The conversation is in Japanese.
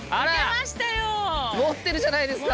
持ってるじゃないですか。